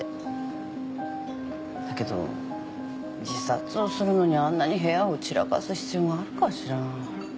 だけど自殺をするのにあんなに部屋を散らかす必要があるかしら。